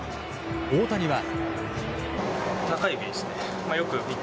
大谷は。